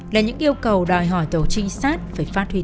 là những yêu cầu đòi hỏi tổ trinh sát về pháp luật của chúng ta